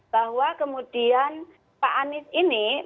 bahwa kemudian pak anies ini